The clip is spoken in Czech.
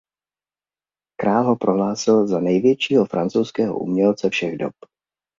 Král ho prohlásil za „největšího francouzského umělce všech dob“.